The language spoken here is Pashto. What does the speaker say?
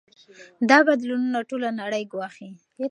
دا بدلونونه ټوله نړۍ ګواښي.